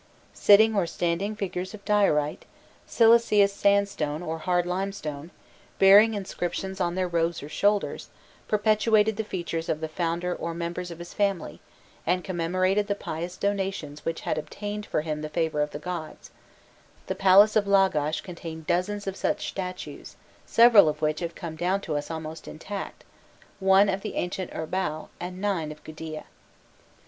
Sitting or standing figures of diorite, silicious sandstone or hard limestone, bearing inscriptions on their robes or shoulders, perpetuated the features of the founder or of members of his family, and commemorated the pious donations which had obtained for him the favour of the gods: the palace of Lagash contained dozens of such statues, several of which have come down to us almost intact one of the ancient Urbau, and nine of Gudea.